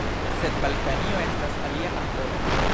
Sed Balkanio estas alia afero.